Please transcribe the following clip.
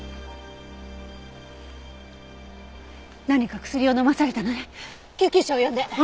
何か薬を飲まされたのね。